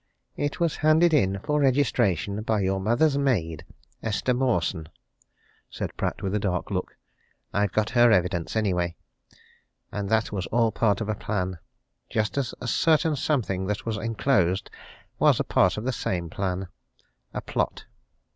"It was handed in for registration by your mother's maid, Esther Mawson," said Pratt with a dark look. "I've got her evidence, anyway! And that was all part of a plan just as a certain something that was enclosed was a part of the same plan a plot.